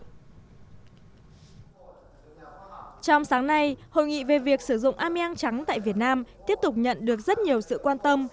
trong sáng nay hội nghị về việc sử dụng ameang trắng tại việt nam tiếp tục nhận được rất nhiều sự quan tâm